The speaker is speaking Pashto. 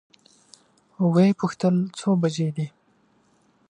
وې پوښتل څو بجې دي؟